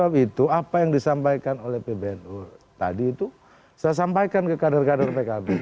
sebab itu apa yang disampaikan oleh pbnu tadi itu saya sampaikan ke kader kader pkb